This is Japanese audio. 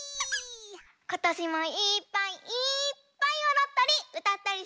ことしもいっぱいいっぱいおどったりうたったりしようね。